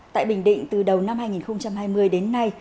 tại bình định từ đầu năm hai nghìn hai mươi đến nay